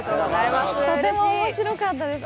とても面白かったです。